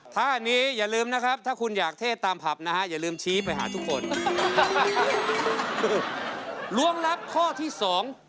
ท่านี้อย่าลืมนะครับถ้าคุณอยากเทตามผับนะฮะอย่าลืมชี้ไปหาทุกคน